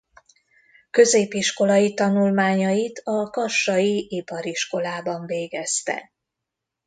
Középiskolai tanulmányait a kassai Ipariskolában végezte.